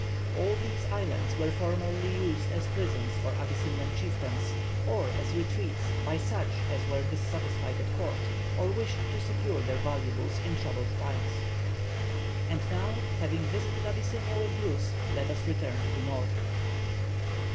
All these islands were formerly used as prisons for Abyssinian chieftains, or as retreats by such as were dissatisfied at court, or wished to secure their valuables in troubled times." And now having visited Abyssinia with Bruce, let us return to the north.